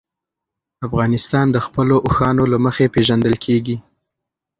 افغانستان د خپلو اوښانو له مخې پېژندل کېږي.